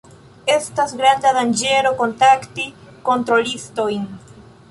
Estas granda danĝero kontakti kontrolistojn.